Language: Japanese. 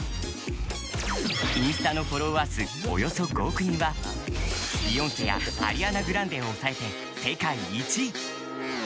インスタのフォロワー数およそ５億人はビヨンセやアリアナ・グランデを抑えて世界１位！